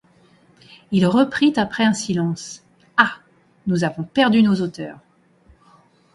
Il reprit après un silence: — Ah! nous avons perdu nos auteurs.